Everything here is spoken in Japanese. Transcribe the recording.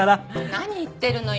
何言ってるのよ。